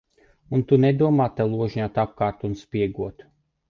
Un tu nedomā te ložņāt apkārt un spiegot.